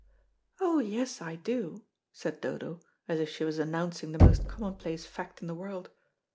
"Oh, yes, I do," said Dodo, as if she was announcing the most commonplace fact in the world.